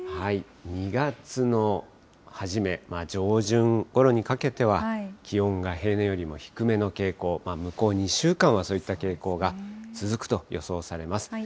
２月の初め、上旬ごろにかけては、気温が平年よりも低めの傾向、向こう２週間はそういった傾向が続くと予想されます。